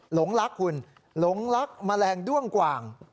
หลงลักคุณหลงลักมะแรงด้วงกว่าง